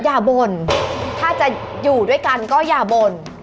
บ่นถ้าจะอยู่ด้วยกันก็อย่าบ่น